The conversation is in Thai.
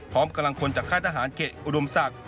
พร้อมกำลังคนจากค่าทหารเข็ดอุดมศักดิ์